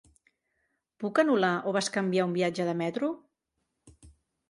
Puc anul·lar o bescanviar un viatge de metro?